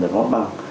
để có mặt bằng